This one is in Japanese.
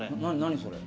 それ。